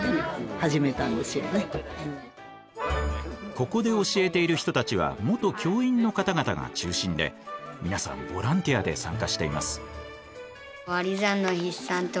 ここで教えている人たちは元教員の方々が中心で皆さんボランティアで参加しています。